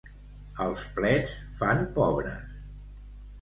Els plets fan pobres.